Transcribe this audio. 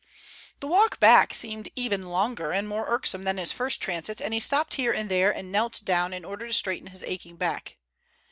The walk back seemed even longer and more irksome than his first transit, and he stopped here and there and knelt down in order to straighten his aching back.